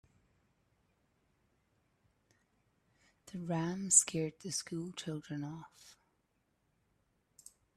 The ram scared the school children off.